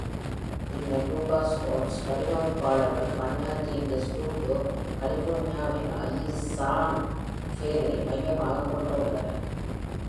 முன்னர் Lucas Arts வடிவமைப்பாளர்கள் பணியாற்றிய இந்த ஸ்டுடியோ கலிபோர்னியாவின் சான் ரஃபேலை மையமாகக் கொண்ட உள்ளனர்.